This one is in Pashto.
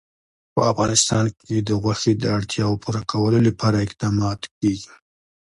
په افغانستان کې د غوښې د اړتیاوو پوره کولو لپاره اقدامات کېږي.